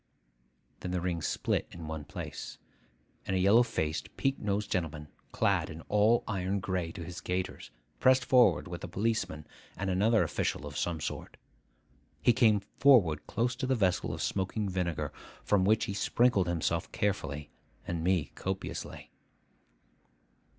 Then the ring split in one place; and a yellow faced, peak nosed gentleman, clad all in iron gray to his gaiters, pressed forward with a policeman and another official of some sort. He came forward close to the vessel of smoking vinegar; from which he sprinkled himself carefully, and me copiously.